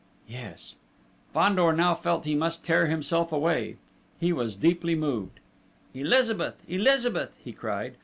"Yes." Fandor now felt he must tear himself away. He was deeply moved. "Elizabeth!... Elizabeth!" he cried.